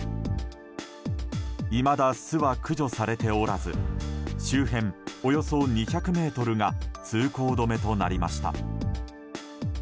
いまだ巣は駆除されておらず周辺およそ２００ｍが通行止めとなりました。